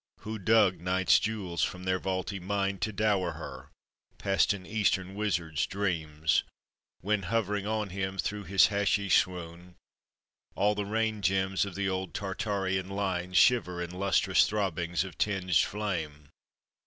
Who dug night's jewels from their vaulty mine To dower her, past an eastern wizard's dreams, When, hovering on him through his haschish swoon, All the rained gems of the old Tartarian line Shiver in lustrous throbbings of tinged flame?